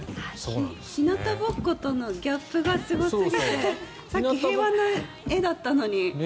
日なたぼっことのギャップがすごすぎてさっき平和な画だったのに。